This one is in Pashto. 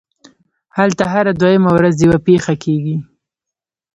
هلته هره دویمه ورځ یوه پېښه کېږي